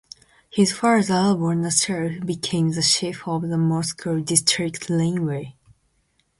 His father, born a serf, became the chief of the Moscow District Railway.